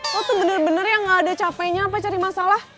aku tuh bener bener yang gak ada capeknya apa cari masalah